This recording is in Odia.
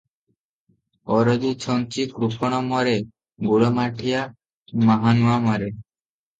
"ଅରଜି ଛଞ୍ଚି କୃପଣ ମରେ ଗୁଡ଼ମାଠିଆ ମାହ୍ନୁଆ ମାରେ ।"